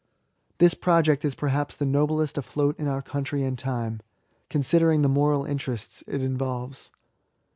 This project is perhaps the noblest afloat in our country and time, considering the moral interests it involves.